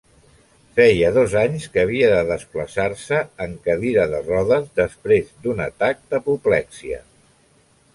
Feia dos anys que havia de desplaçar-se en cadira de rodes després d'un atac d'apoplexia.